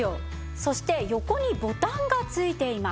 そして横にボタンがついています。